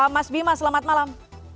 mas bima selamat malam